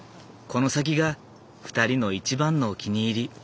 この先が２人の一番のお気に入り。